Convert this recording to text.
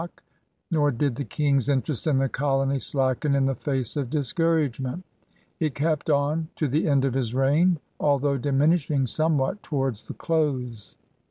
Nor did the King's interest in the colony slacken in the face of discouragement. It kept on to the end of his reign, although diminishing somewhat towards the close.